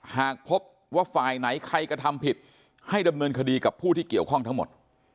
หากพบว่าฝ่ายไหนใครกระทำผิดให้ดำเนินคดีกับผู้ที่เกี่ยวข้องทั้งหมด